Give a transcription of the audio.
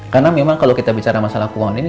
karena memang kalau kita bicara masalah keuangan ini